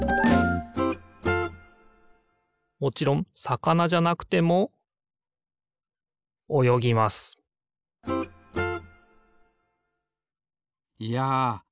もちろんさかなじゃなくてもおよぎますいやみずって